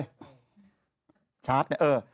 โอ้โฮเฮ่ยชาร์จนี่เออ